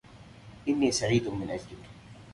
إنّي سعيد من أجلك.